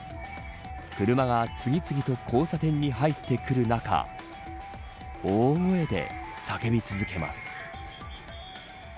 車が次々と交差点に入ってくる中大声で叫び続けます。